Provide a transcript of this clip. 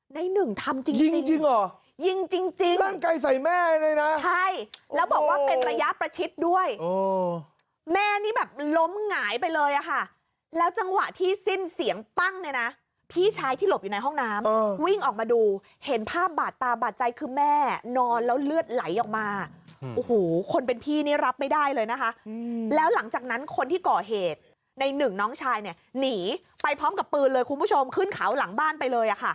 ในหนึ่งทำจริงจริงจริงจริงจริงจริงจริงจริงจริงจริงจริงจริงจริงจริงจริงจริงจริงจริงจริงจริงจริงจริงจริงจริงจริงจริงจริงจริงจริงจริงจริ